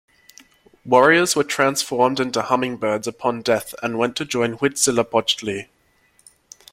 Warriors were transformed into hummingbirds upon death and went to join Huitzilopochtli.